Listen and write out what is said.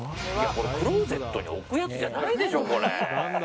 クローゼットに置くやつじゃないでしょ、これ。